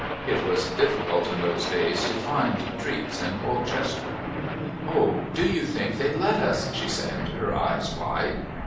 It was difficult in those days to find "treats" in Polchester. "Oh, do you think they'd let us?" she said, her eyes wide.